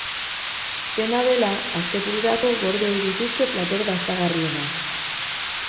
Dena dela, astebururako gorde ohi dituzte plater dastagarrienak.